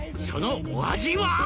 「そのお味は？」